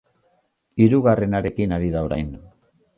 Hirugarrenarekin ari da orain.